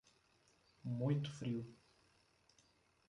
Muito frio